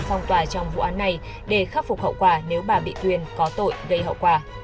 phong tỏa trong vụ án này để khắc phục hậu quả nếu bà bị tuyền có tội gây hậu quả